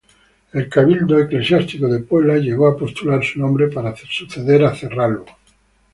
El cabildo eclesiástico de Puebla llegó a postular su nombre para suceder a Cerralbo.